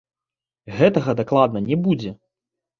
Гэтага дакладна не будзе!